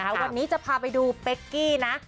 วันนี้จะพาไปดูเป๊กกี้นะ